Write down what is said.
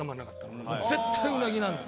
絶対うなぎなんだ！